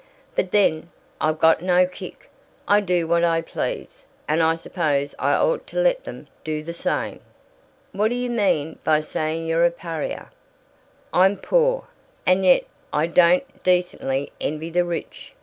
But then, I've got no kick. I do what I please, and I suppose I ought to let them do the same." "What do you mean by saying you're a pariah?" "I'm poor, and yet I don't decently envy the rich.